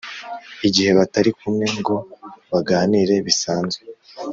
igihe batari kumwe ngo baganire bisanzwe